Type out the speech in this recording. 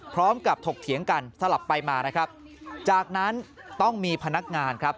ถกเถียงกันสลับไปมานะครับจากนั้นต้องมีพนักงานครับ